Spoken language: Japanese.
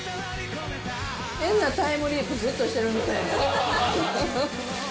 変なタイムリープずっとしてるみたい。